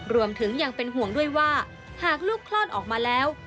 รวมถึงยังเป็นห่วงด้วยว่าหากลูกคลอดออกมาแล้ว